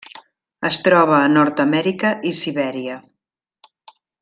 Es troba a Nord-amèrica i Sibèria.